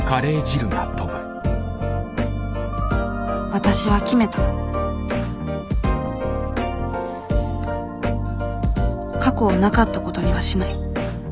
わたしは決めた過去をなかったことにはしない。